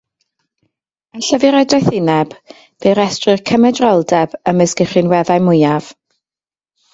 Yn Llyfr y Doethineb, fe restrir cymedroldeb ymysg y rhinweddau mwyaf.